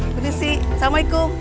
terima kasih assalamualaikum